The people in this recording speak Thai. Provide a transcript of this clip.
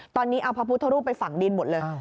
ตอนนี้เอาพระพุทธรูปไปฝังดินหมดเลย